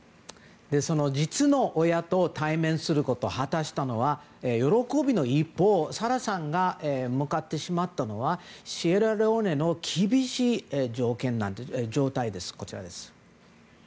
実の親と対面することを果たしたのは喜びの一方、サラさんが向かってしまったのはシエラレオネの厳しい状態です。